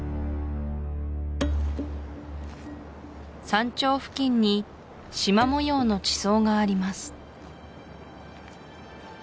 山頂付近にしま模様の地層があります